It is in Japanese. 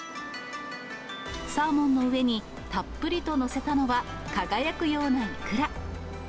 サーモンの上にたっぷりと載せたのは、輝くようなイクラ。